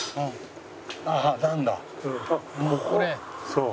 そう。